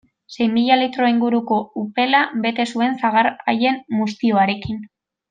Sei mila litro inguruko upela bete zuen sagar haien muztioarekin.